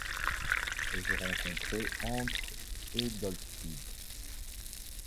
Elle se rencontrait entre et d'altitude.